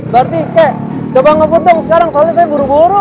berarti kek coba ngepotong sekarang soalnya saya buru buru